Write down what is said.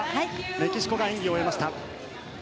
メキシコが演技を終えました。